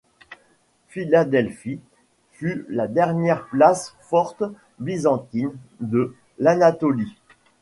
Philadelphie fut la dernière place forte byzantine de l'Anatolie.